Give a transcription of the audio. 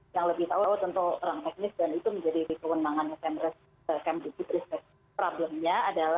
yang lebih tahu tentu orang teknis dan itu menjadi kewenangan yang terkena riset problemnya